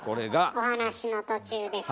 お話の途中ですが。